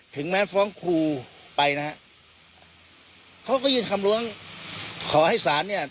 ถึงแม้ฟ้องครูไปนะฮะเขาก็ยื่นคำล้วงขอให้ศาลเนี่ย